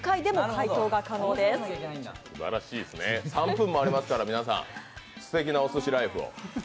３分もありますから皆さん、素敵なおすしライフを。